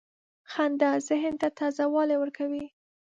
• خندا ذهن ته تازه والی ورکوي.